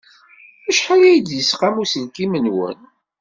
Acḥal ay d-yesqam uselkim-nwen?